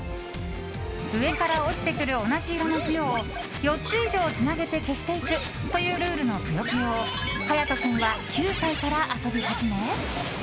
上から落ちてくる同じ色のぷよを４つ以上つなげて消していくというルールの「ぷよぷよ」を勇人君は９歳から遊び始め